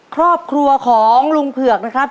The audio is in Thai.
ครอบครัวของลุงเผือกนะครับ